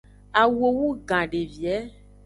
Awuo wugan devie.